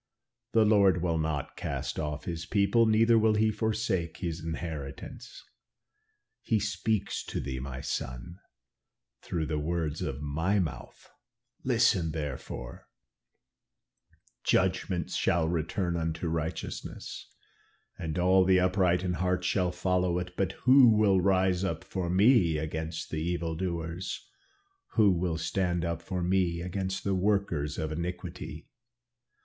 The Lord will not cast off his people, neither will he forsake his inheritance.' He speaks to thee, my son, through the words of my mouth, listen therefore, 'Judgment shall return unto righteousness, and all the upright in heart shall follow it. But who will rise up for me against the evil doers; who will stand up for me against the workers of iniquity?